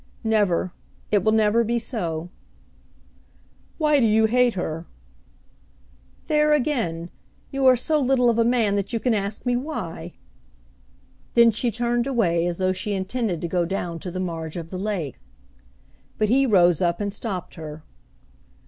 "Never. It will never be so." "Why do you hate her?" "There again! You are so little of a man that you can ask me why!" Then she turned away as though she intended to go down to the marge of the lake. But he rose up and stopped her.